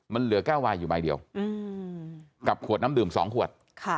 มันเหลือแก้ววายอยู่ใบเดียวกับขวดน้ำดื่ม๒ขวด